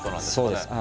そうです。